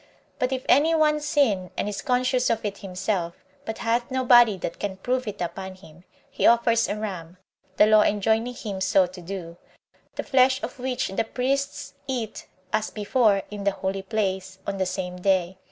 But if any one sin, and is conscious of it himself, but hath nobody that can prove it upon him, he offers a ram, the law enjoining him so to do; the flesh of which the priests eat, as before, in the holy place, on the same day.